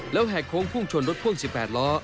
แหกโค้งพุ่งชนรถพ่วง๑๘ล้อ